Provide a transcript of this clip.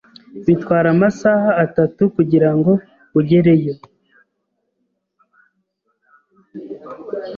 Bitwara amasaha atatu kugirango ugereyo.